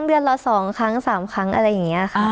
เดือนละสองครั้งสามครั้งอะไรอย่างนี้